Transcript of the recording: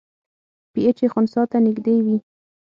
پی ایچ یې خنثی ته نږدې وي.